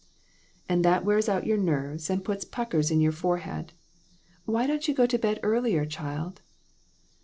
"And that wears out your nerves and puts 1 68 LESSONS. puckers in your forehead. Why don't you go to bed earlier, child?"